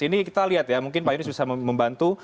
ini kita lihat ya mungkin pak yunus bisa membantu